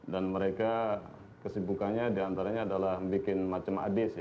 dan mereka kesibukannya diantaranya adalah membuat macam adis ya